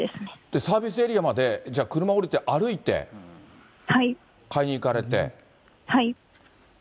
サービスエリアまで車降りて歩いて買いに行かれて。